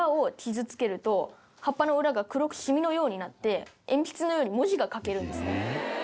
葉っぱの裏が黒くシミのようになって鉛筆のように文字が書けるんですね。